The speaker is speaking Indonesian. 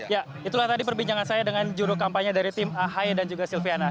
ya itulah tadi perbincangan saya dengan juru kampanye dari tim ahy dan juga silviana